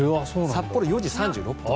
札幌は４時３６分。